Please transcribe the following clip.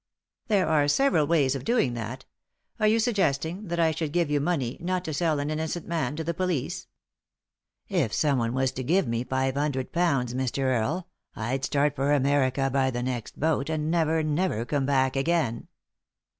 "There are several ways of doing that. Are you suggesting that I should give you money, not to sell an innocent man to the police ?"" If someone was to give me five hundred pounds, Mr. Earie, I'd start for America by the next boat, and never, never come back again."